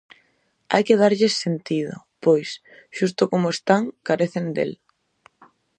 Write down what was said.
Hai que darlles sentido, pois, xusto como están, carecen del.